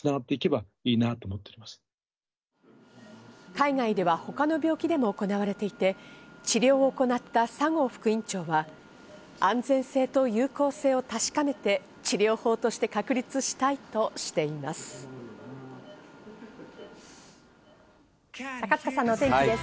海外では他の病気でも行われていて、治療を行った左合副院長は、安全性と有効性を確かめて治療法として確立したいとしています。